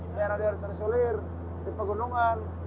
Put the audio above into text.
daerah daerah tersulir di pegunungan